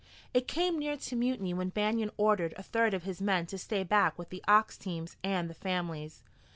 It came near to mutiny when Banion ordered a third of his men to stay back with the ox teams and the families.